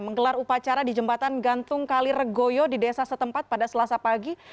menggelar upacara di jembatan gantung kaliregoyo di desa setempat pada selasa pagi